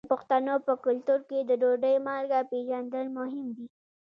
د پښتنو په کلتور کې د ډوډۍ مالګه پیژندل مهم دي.